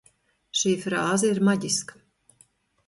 Šī frāze ir maģiska!